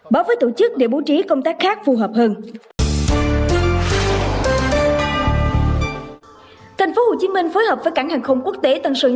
báo với tổ chức để bố trí công tác khác phù hợp hơn